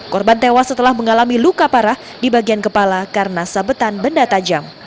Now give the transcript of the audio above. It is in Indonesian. korban tewas setelah mengalami luka parah di bagian kepala karena sabetan benda tajam